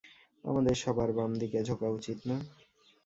আমাদের সবার বাম দিকে ঝোঁকা উচিত না?